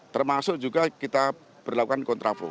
termasuk juga kita berlakukan kontraflow